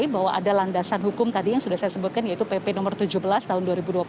bahwa ada landasan hukum tadi yang sudah saya sebutkan yaitu pp no tujuh belas tahun dua ribu dua puluh